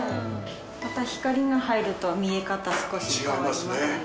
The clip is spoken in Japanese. また光が入ると見え方も少し変わりますよね。